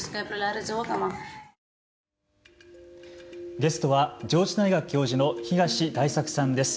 ゲストは上智大学教授の東大作さんです。